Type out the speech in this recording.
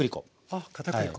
あっ片栗粉。